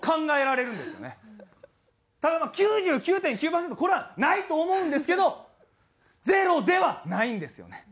ただまあ９９．９パーセントこれはないと思うんですけどゼロではないんですよね。